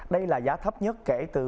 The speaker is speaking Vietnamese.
đây là giá thấp nhất kể từ